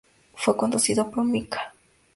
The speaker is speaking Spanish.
Fue conducido por Mika Häkkinen y David Coulthard.